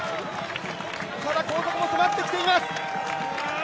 後続も迫ってきています。